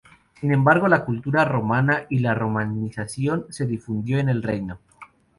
Sin embargo la cultura romana y la romanización se difundió en el reino.